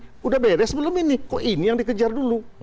sudah beres belum ini kok ini yang dikejar dulu